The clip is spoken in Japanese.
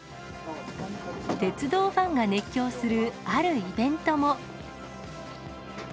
鉄道ファンが熱狂するあるイベントも。